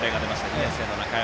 ２年生の中山。